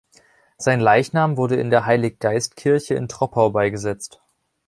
Sein Leichnam wurde in der Heilig-Geist-Kirche in Troppau beigesetzt.